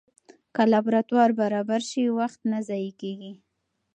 که لابراتوار برابر سي، وخت نه ضایع کېږي.